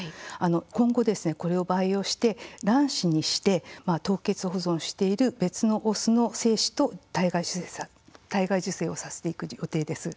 今後これを培養して卵子にして凍結保存してある別のオスの精子と体外受精させていく予定です。